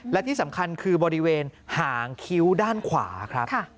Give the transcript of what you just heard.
และที่สำคัญคือบริเวณหางคิ้วด้านขวาครับ